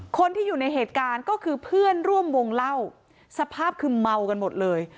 คนที่อยู่ในเหตุการณ์ก็คือเพื่อนร่วมวงเล่าสภาพคือเมากันหมดเลย